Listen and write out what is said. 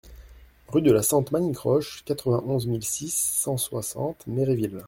Rue de la Sente Manicroche, quatre-vingt-onze mille six cent soixante Méréville